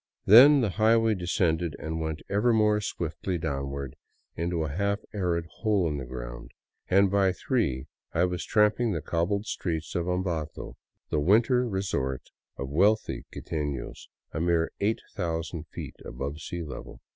Then the highway descended and went ever more swiftly downward into a half arid hole in the ground, and by three I was tramping the cobbled streets of Ambato, the " winter " resort of wealthy quiteiios, a mere 8000 feet above sea level.